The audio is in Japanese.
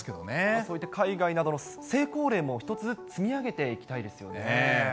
そういった海外などの成功例も一つずつ積み上げていきたいですよね。